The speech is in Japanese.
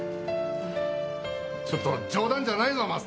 ちょっと冗談じゃないぞマスター。